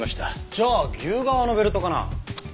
じゃあ牛革のベルトかな？